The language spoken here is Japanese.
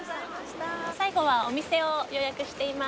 最後はお店を予約しています。